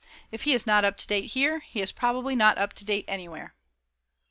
If he is not up to date here, he is probably not up to date anywhere.